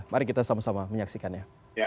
mari kita sama sama menyaksikannya